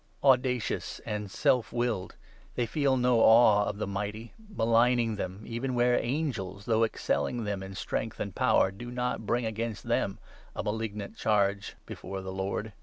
Audacious and self willed, they feel no awe of the Mighty, maligning them, even where angels, though excelling them n in strength and power, do not bring against them a malignant charge before the Lord.